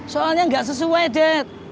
soalnya gak sesuai det